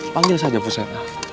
panggil saja pusetna